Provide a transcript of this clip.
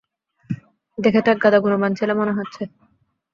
দেখেতো একগাদা গুণবান ছেলে মনে হচ্ছে।